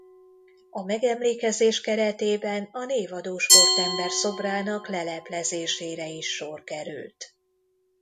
A megemlékezés keretében a névadó sportember szobrának leleplezésére is sor került.